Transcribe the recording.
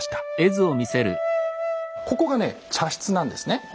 ここがね茶室なんですね。